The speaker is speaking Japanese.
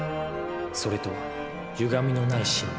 「それ」とはゆがみのない真理。